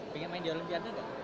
pengen main di olimpiade enggak